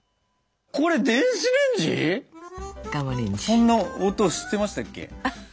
こんな音してましたっけ。